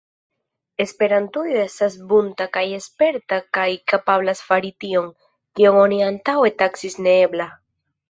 Esperantujo estas bunta kaj sperta kaj kapablas fari tion, kion oni antaŭe taksis neebla.